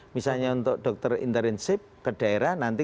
misalnya untuk dokter internship ke daerah nanti